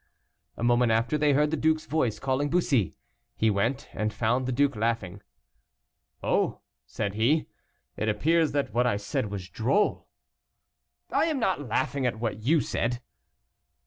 A moment after, they heard the duke's voice calling Bussy. He went, and found the duke laughing. "Oh!" said he, "it appears that what I said was droll." "I am not laughing at what you said."